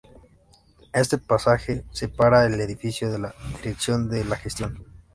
Este pasaje separaba el edificio de la Dirección de la Gestión.